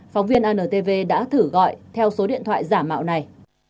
phóng viên antv đã thử gọi theo số điện thoại giả mạo này